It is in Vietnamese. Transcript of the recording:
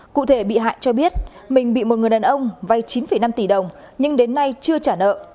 cụ thể bị hại cho biết mình bị một người đàn ông vay chín năm tỷ đồng nhưng đến nay chưa trả nợ